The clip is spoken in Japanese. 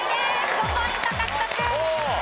５ポイント獲得！